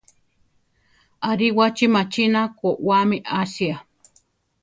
Aríwachi machína koʼwáami asia.